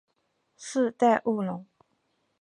世代务农。